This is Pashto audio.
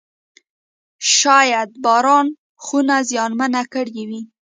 شاید باران خونه زیانمنه کړې وي.